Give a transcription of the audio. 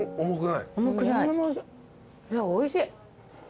いやおいしい。